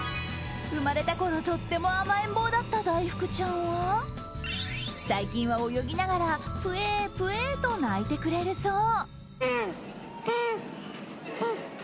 生まれたころとっても甘えん坊だっただいふくちゃんは最近は泳ぎながらぷぇー、ぷぇーと鳴いてくれるそう。